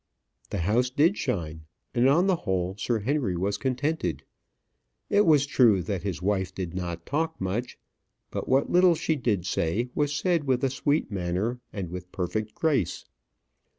The house did shine, and on the whole Sir Henry was contented. It was true that his wife did not talk much; but what little she did say was said with a sweet manner and with perfect grace.